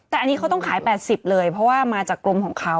แต่อันนี้เขาต้องขาย๘๐เลยเพราะว่ามาจากกรมของเขา